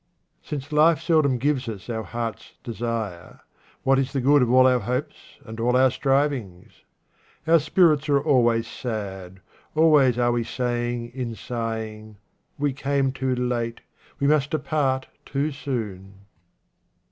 Since life seldom gives us our hearts' desire, what is the good of all our hopes and all our strivings ? Our spirits are always sad, always are we saying in sighing, " We came too late, we must depart too soon."